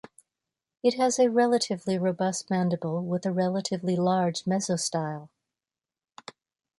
It has a relatively robust mandible with a relatively large mesostyle.